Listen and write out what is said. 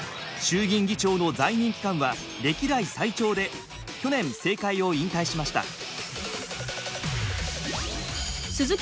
衆議院議長の在任期間は歴代最長で去年政界を引退しました。